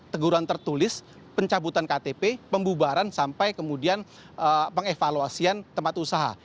teguran tertulis pencabutan ktp pembubaran sampai kemudian pengevaluasian tempat usaha